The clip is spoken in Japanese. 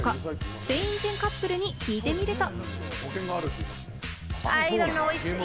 スペイン人カップルに聞いてみると。